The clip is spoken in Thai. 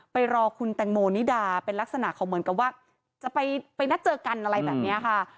ไปรอคุณแตงโมนิดาเป็นลักษณะเขาเหมือนกับว่าจะไปนัดเจอกันอะไรแบบนี้ค่ะ